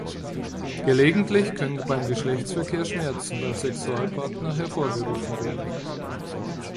Gelegentlich können beim Geschlechtsverkehr Schmerzen beim Sexualpartner hervorgerufen werden.